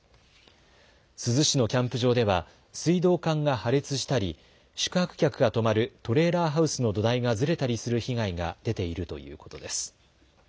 珠洲市のキャンプ場では水道管が破裂したり宿泊客が泊まるトレーラーハウスの土台がずれたりする被害が出ているということです。